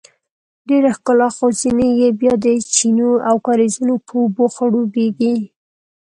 ډیره ښکلا خو ځینې یې بیا د چینو او کاریزونو په اوبو خړوبیږي.